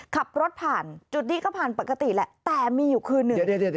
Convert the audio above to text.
ขับรถผ่านจุดนี้ก็ผ่านปกติแหละแต่มีอยู่คืนหนึ่ง